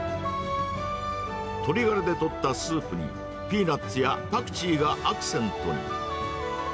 鶏がらでとったスープに、ピーナッツやパクチーがアクセントに。